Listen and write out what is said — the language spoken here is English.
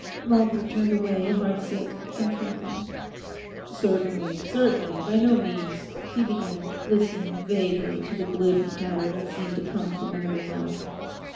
Lawford turned away heartsick and trembling. 'Certainly, certainly, by no means,' he began, listening vaguely to the glib patter that seemed to come from another mouth.